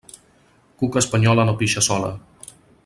Cuca espanyola no pixa sola.